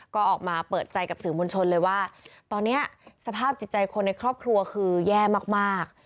ก็ออกมาเปิดใจกับสื่อมวลชนเลยว่าตอนนี้สภาพจิตใจคนในครอบครัวคือแย่มาก